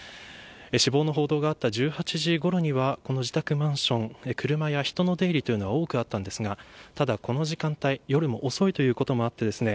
死亡の報道があった１８時ごろにはこの自宅マンション車や人の出入りは多くあったんですがこの時間帯、夜も遅いということもあってですね